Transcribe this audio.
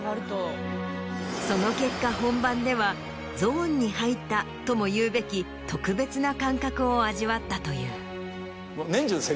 その結果本番では「ゾーンに入った」とも言うべき特別な感覚を味わったという。